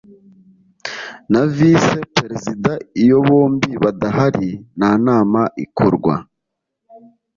na vice perezida iyo bombi badahari nta nama ikorwa